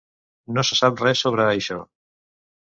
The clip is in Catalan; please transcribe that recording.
No se sap res sobre això.